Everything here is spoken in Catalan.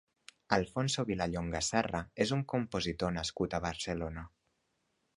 Alfonso Vilallonga Serra és un compositor nascut a Barcelona.